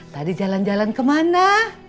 tadi jalan jalan kemana